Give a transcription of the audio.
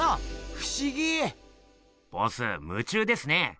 ふしぎ！ボス夢中ですね。